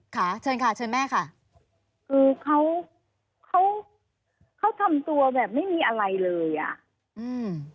ค่ะเชิญค่ะเชิญแม่ค่ะคือเขาเขาทำตัวแบบไม่มีอะไรเลยอ่ะอืม